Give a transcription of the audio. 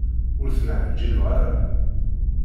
Ur ten-ɛjibeɣ ara.